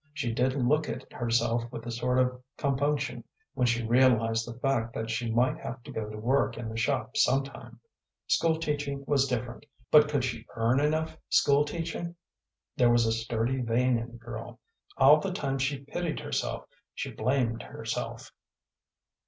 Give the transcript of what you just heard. She did look at herself with a sort of compunction when she realized the fact that she might have to go to work in the shop some time. School teaching was different, but could she earn enough school teaching? There was a sturdy vein in the girl. All the time she pitied herself she blamed herself.